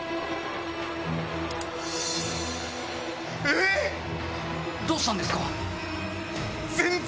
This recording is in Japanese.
え⁉どうしたんですか？